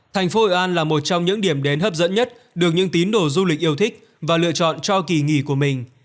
thành phố hội an là một trong những điểm đến hấp dẫn nhất được những tín đồ du lịch yêu thích và lựa chọn cho kỳ nghỉ của mình